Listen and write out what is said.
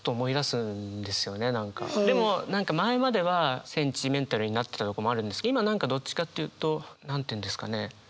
でも何か前まではセンチメンタルになってたとこもあるんですけど今何かどっちかっていうと何て言うんですかね？